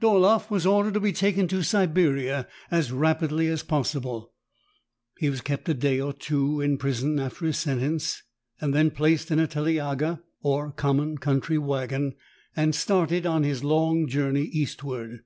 Dolaeff was ordered to be taken to Siberia as rapidly as possible. He was kept a day or two in prison after his sentence, and then placed in a telyaga, or common country wagon, and started on his long journey eastward.